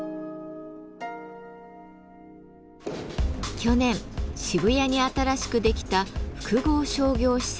去年渋谷に新しくできた複合商業施設。